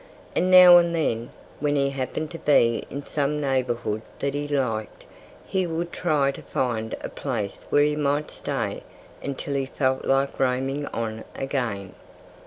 And now and then, when he happened to be in some neighborhood that he liked, he would try to find a place where he might stay until he felt like roaming on again.